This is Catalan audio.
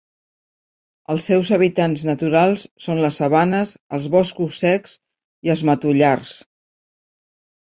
Els seus hàbitats naturals són les sabanes, els boscos secs i els matollars.